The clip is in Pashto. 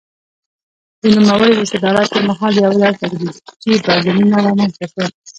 د نوموړي د صدارت پر مهال یو لړ تدریجي بدلونونه رامنځته شول.